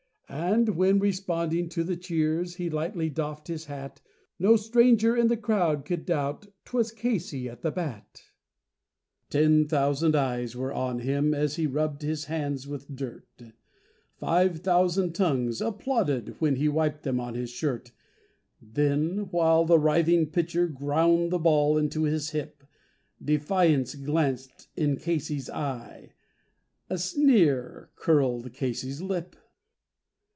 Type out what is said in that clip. And when, responding to the cheers, he lightly doffed his hat, No stranger in the crowd could doubt 'twas Casey at the bat. Ten thousand eyes were on him as he rubbed his hands with dirt, Five thousand tongues applauded when he wiped them on his shirt; Then while the New York pitcher ground the ball into his hip, Defiance gleamed in Casey's eye, a sneer curled Casey's lip.